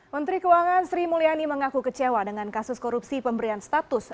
menteri keuangan sri mulyani mengaku kecewa dengan kasus korupsi pemberian status